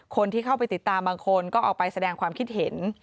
คนที่เข้าไปติดตามบางคนก็เอาไปแสดงความคิดเห็น